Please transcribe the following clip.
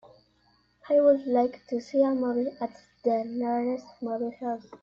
I would like to see a movie at the nearest movie house.